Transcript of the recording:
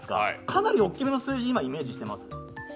かなり大きめの数字を今イメージしてますか？